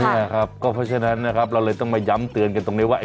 ใช่ครับก็เพราะฉะนั้นนะครับเราเลยต้องมาย้ำเตือนกันตรงนี้ว่า